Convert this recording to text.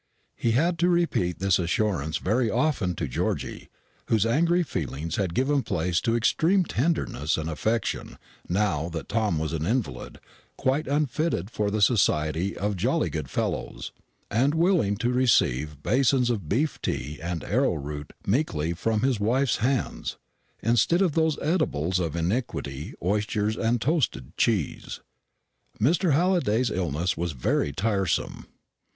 He had to repeat this assurance very often to Georgy, whose angry feelings had given place to extreme tenderness and affection now that Tom was an invalid, quite unfitted for the society of jolly good fellows, and willing to receive basins of beef tea and arrow root meekly from his wife's hands, instead of those edibles of iniquity, oysters and toasted cheese. Mr. Halliday's illness was very tiresome.